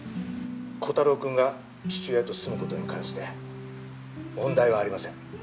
コタローくんが父親と住む事に関して問題はありません。